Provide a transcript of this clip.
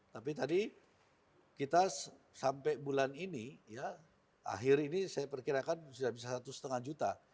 tapi tadi kita sampai bulan ini ya akhir ini saya perkirakan sudah bisa satu lima juta